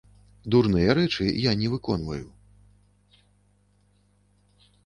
Дурныя рэчы я не выконваю.